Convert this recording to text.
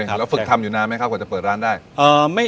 แล้วฝึกทำอยู่นานไหมครับกว่าจะเปิดร้านได้